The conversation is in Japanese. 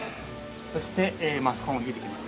そしてマスコンを引いてきます。